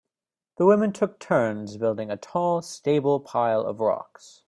The women took turns building a tall stable pile of rocks.